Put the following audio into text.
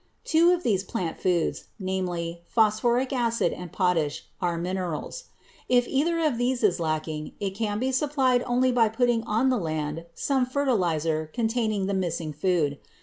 Two of these plant foods, namely, phosphoric acid and potash, are minerals. If either of these is lacking, it can be supplied only by putting on the land some fertilizer containing the missing food.